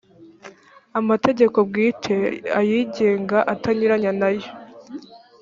amategeko bwite ayigenga atanyuranya na yo